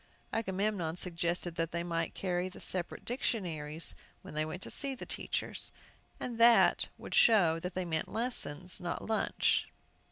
Agamemnon suggested that they might carry the separate dictionaries when they went to see the teachers, and that would show that they meant lessons, and not lunch.